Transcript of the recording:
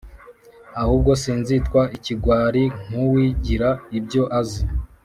ahubwo sinzitwa ikigwari nk’uwigira ibyo azi